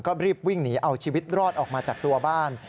ก็รีบวิ่งหนีเอาชีวิตรอดออกมาจากตัวบ้าน